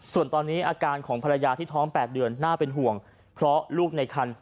ส่วนตอนนี้อาการของภรรยาที่ท้อง๘เดือนน่าเป็นห่วงเพราะลูกในคัน